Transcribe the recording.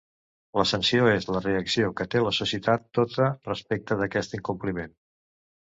La sanció és la reacció que té la societat tota respecte d'aquest incompliment.